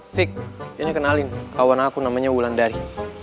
sik ini kenalin kawan aku namanya wulandari